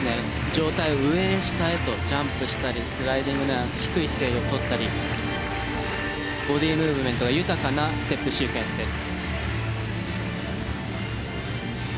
上体を上へ下へとジャンプしたりスライディングなら低い姿勢をとったりボディームーブメントが豊かなステップシークエンスです。